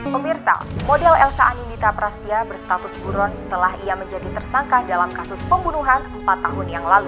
pemirsa model elsa anindita prastia berstatus buron setelah ia menjadi tersangka dalam kasus pembunuhan empat tahun yang lalu